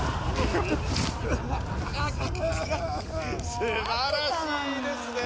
素晴らしいですね